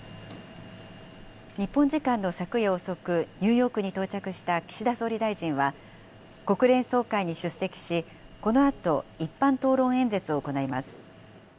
日本時間の昨夜遅く、ニューヨークに到着した岸田総理大臣は、国連総会に出席し、このあと一般討論演説を行います。